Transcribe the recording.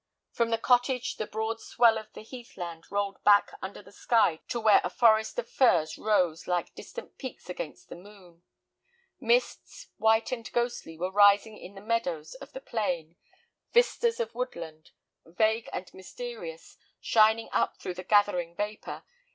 From the cottage the broad swell of the heathland rolled back under the sky to where a forest of firs rose like distant peaks against the moon. Mists, white and ghostly, were rising in the meadows of the plain, vistas of woodland, vague and mysterious, shining up through the gathering vapor.